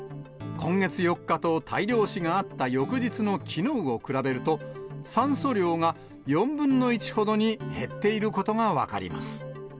今月４日と大量死があった翌日のきのうを比べると、酸素量が４分の１ほどに減っていることが分かります。